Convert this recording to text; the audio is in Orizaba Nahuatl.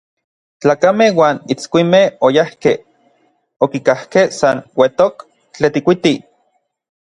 Tlakamej uan itskuimej oyajkej, okikajkej san uetok Tetlikuiti.